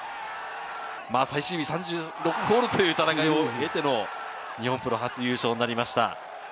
最終日３６ホールという戦いを経ての日本プロ初優勝になりました。